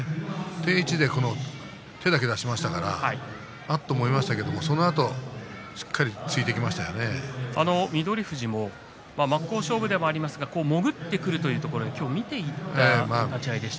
定位置で手だけでしましたからあっと思いましたけれどもそのあとしっかりと翠富士も真っ向勝負ではありますが潜ってくるということで今日は見ていった立ち合いでした。